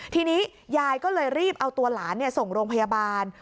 ทีนี้ยายก็เลยรีบเอาตัวหลานส่งโรงพยาบาล